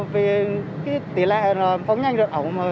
vì tỷ lệ phóng nhanh vận ẩu